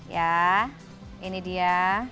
ya ini dia